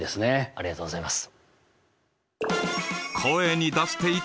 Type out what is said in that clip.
ありがとうございます。